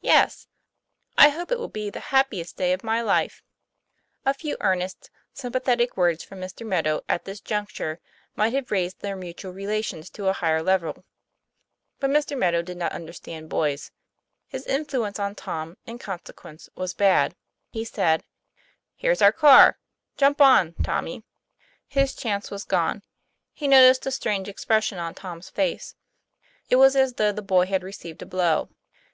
'Yes. I hope it will be the happiest day of my life. " A few earnest, sympathetic words from Mr. Meadow at this juncture might have raised their mutual relations to a higher level. But Mr. Meadow did not understand boys. His influence on Tom, in consequence, was bad. He said: "Here's our car; jump on, Tommy." His chance was gone. He noticed a strange ex pression on Tom's face; it was as though the boy had received a blow.